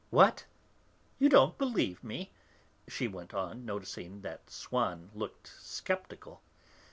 What! you don't believe me!" she went on, noticing that Svrann looked sceptical.